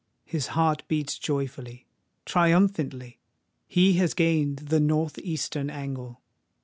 His heart beats joyfully—triumphantly: he has gained the north eastern angle!